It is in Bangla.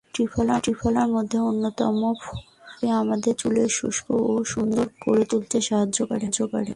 ত্রিফলার মধ্যে অন্যতম ফলটি আমাদের চুলকে সুস্থ ও সুন্দর করে তুলতে সাহায্য করে।